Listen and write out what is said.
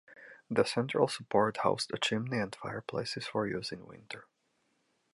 The central support housed a chimney and fireplaces for use in winter.